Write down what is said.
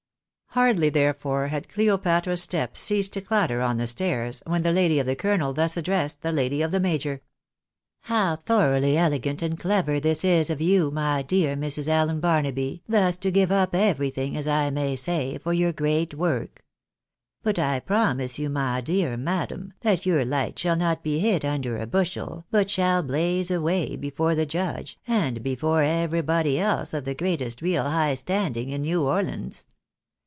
Hardly, therefore, had Cleopatra's step ceased to clatter on the stairs, when the lady of the colonel thus addressed the lady »f the major — 124 THE BAKNABYS IN AMERICA. " How thoroughly elegant and clever this is of you, my dear Mrs. Allen Barnaby, thus to give up everything, as I may say, for your great work. But I promise you, my dear madam, that your light shall not be hid under a bushel, but shall blaze away before the judge, and before everybody else of the greatest real high standing in New Orleans.